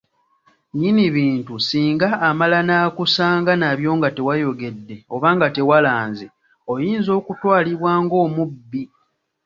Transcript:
Nnyini bintu singa amala n’akusanga nabyo nga tewayogedde oba nga tewalanze, oyinza okutwalibwa ng’omubbi.